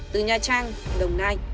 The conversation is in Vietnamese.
từ nha trang đồng nai